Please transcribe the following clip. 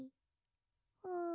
うん。